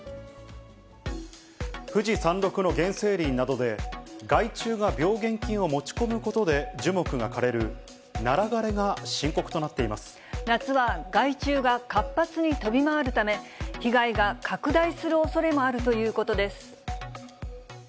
富士山麓の原生林などで、害虫が病原菌を持ち込むことで、樹木が枯れる、ナラ枯れが深刻と夏は害虫が活発に飛び回るため、被害が拡大するおそれもあるということです。